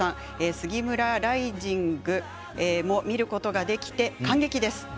スギムライジングも見ることができて感激です。